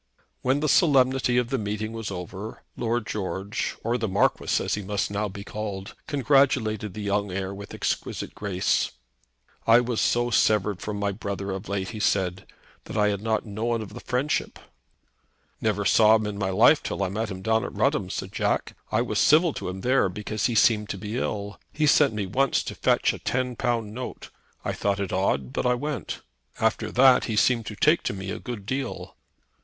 When the solemnity of the meeting was over, Lord George, or the Marquis, as he must now be called, congratulated the young heir with exquisite grace. "I was so severed from my brother of late," he said, "that I had not known of the friendship." "Never saw him in my life till I met him down at Rudham," said Jack. "I was civil to him there because he seemed to be ill. He sent me once to fetch a ten pound note. I thought it odd, but I went. After that he seemed to take to me a good deal."